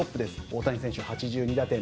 大谷選手８２打点。